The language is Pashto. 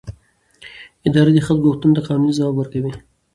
اداره د خلکو غوښتنو ته قانوني ځواب ورکوي.